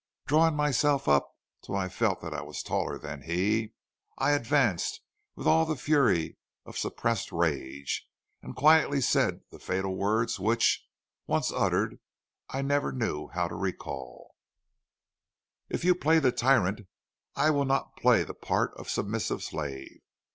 Drawing myself up till I felt that I was taller than he, I advanced with all the fury of suppressed rage, and quietly said the fatal words which, once uttered, I never knew how to recall: "'If you play the tyrant, I will not play the part of submissive slave.